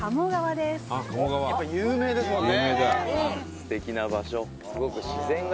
「やっぱり有名ですもんね」